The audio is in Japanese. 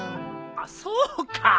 あっそうか。